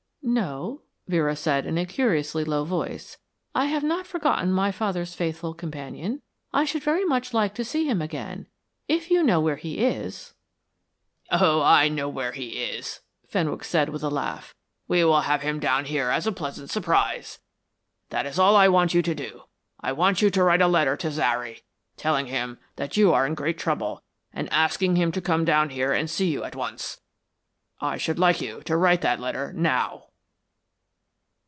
"No," Vera said, in a curiously low voice. "I have not forgotten my father's faithful companion. I should very much like to see him again. If you know where he is " "Oh, I know where he is," Fenwick said with a laugh. "We will have him down here as a pleasant surprise. That is all I want you to do I want you to write a letter to Zary, telling him that you are in great trouble, and asking him to come down here and see you at once. I should like you to write that letter now."